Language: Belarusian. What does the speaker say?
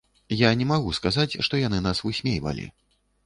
Я не магу сказаць, што яны нас высмейвалі.